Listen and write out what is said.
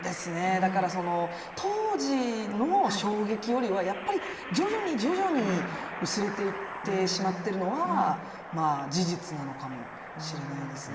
だから当時の衝撃よりはやっぱり徐々に徐々に薄れていってしまってるのは事実なのかもしれないですね。